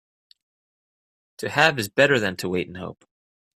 To have is better than to wait and hope.